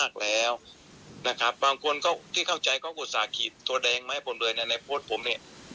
คุณเข้าใจตัวแดงไหมผมเลยในโพสต์ผมเนี่ย